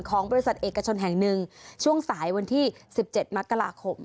ของบริษัทเอกชนแห่งหนึ่งช่วงสายวันที่๑๗มกราคม